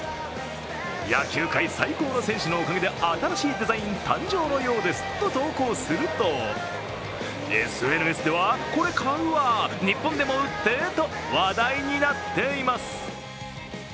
野球界最高の選手のおかげで新しいデザイン誕生のようですと投稿するとＳＮＳでは、これ買うわ、日本でも売ってと話題になっています。